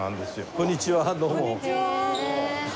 こんにちは。